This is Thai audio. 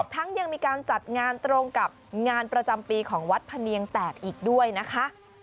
ทั้งยังมีการจัดงานตรงกับงานประจำปีของวัดพะเนียงแตกอีกด้วยนะคะ